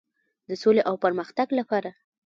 د سولې او پرمختګ لپاره.